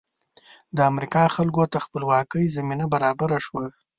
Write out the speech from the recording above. د امریکا خلکو ته خپلواکۍ زمینه برابره شوه.